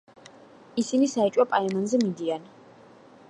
ისინი საეჭვო პაემანზე მიდიან.